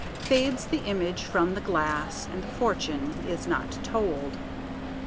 Fades the image from the glass, And the fortune is not told.